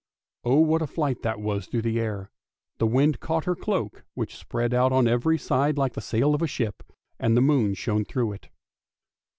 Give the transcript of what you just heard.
Oh, what a flight that was through the air; the wind caught her cloak, which spread out on every side like the sail of a ship, and the moon shone through it.